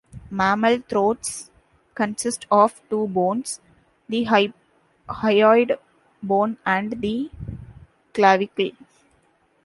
Mammal throats consist of two bones, the hyoid bone and the clavicle.